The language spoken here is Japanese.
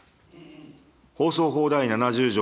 放送法第７０条